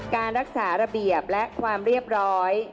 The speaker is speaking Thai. การรักษาระเบียบและความเรียบร้อย